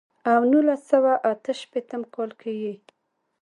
او نولس سوه اتۀ شپېتم کال کښې ئې